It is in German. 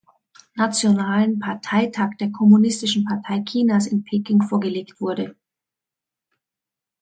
Nationalen Parteitag der Kommunistischen Partei Chinas in Peking vorgelegt wurde.